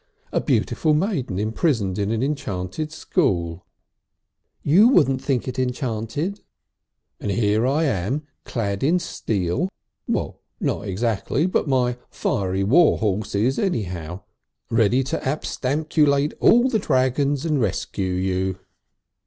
A beautiful maiden imprisoned in an enchanted school." "You wouldn't think it enchanted!" "And here am I clad in steel. Well, not exactly, but my fiery war horse is anyhow. Ready to absquatulate all the dragons and rescue you."